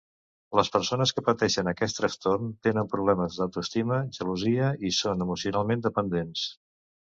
Les persones que pateixen aquest trastorn tenen problemes d'autoestima, gelosia i són emocionalment dependents.